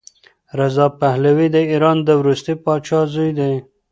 رضا پهلوي د ایران د وروستي پادشاه زوی دی.